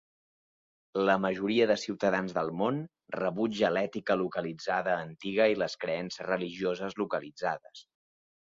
La majoria de ciutadans del món rebutja l'ètica localitzada antiga i les creences religioses localitzades.